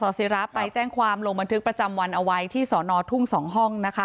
ศิราไปแจ้งความลงบันทึกประจำวันเอาไว้ที่สอนอทุ่ง๒ห้องนะคะ